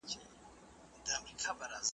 چې آن د خوب، استراحت